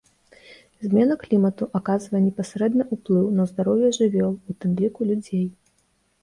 Змена клімату аказвае непасрэдны ўплыў на здароўе жывёл, у тым ліку людзей.